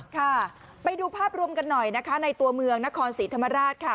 ค่ะไปดูภาพรวมกันหน่อยนะคะในตัวเมืองนครศรีธรรมราชค่ะ